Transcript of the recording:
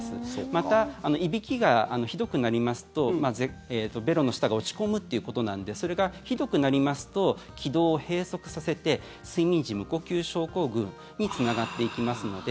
また、いびきがひどくなりますとべろの下が落ち込むっていうことなのでそれがひどくなりますと気道を閉塞させて睡眠時無呼吸症候群につながっていきますので。